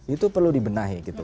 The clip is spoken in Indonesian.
itu perlu dibenahi gitu